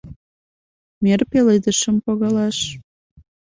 Мӧр пеледышым погалаш.